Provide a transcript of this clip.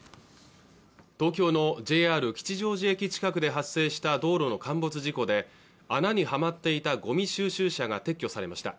東京のＪＲ吉祥寺駅近くで発生した道路の陥没事故で穴にはまっていたごみ収集車が撤去されました